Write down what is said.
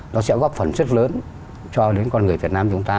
nó sẽ góp phần rất lớn cho đến con người việt nam chúng ta